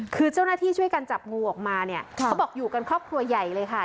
คือเจ้าหน้าที่ช่วยกันจับงูออกมาเนี่ยเขาบอกอยู่กันครอบครัวใหญ่เลยค่ะ